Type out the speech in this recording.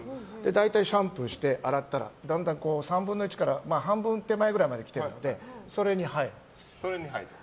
大体、シャンプーして洗ったらだんだん３分の１から半分手前くらいまで来てそれに入るんです。